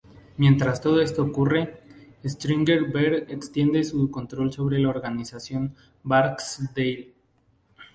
Mientras todo esto ocurre, Stringer Bell extiende su control sobre la organización Barksdale.